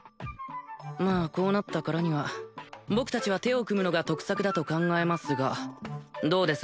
まあこうなったからには僕達は手を組むのが得策だと考えますがどうです？